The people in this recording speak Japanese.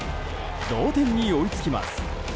同点に追いつきます。